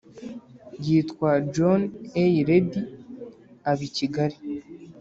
yitwa john a. reddy, aba i kigali